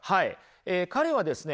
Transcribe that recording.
彼はですね